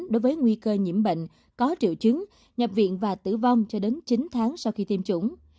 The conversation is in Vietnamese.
đối với nguy cơ nhiễm bệnh có triệu chứng nhập viện và tử vong cho đến chín tháng sau khi tiêm chủng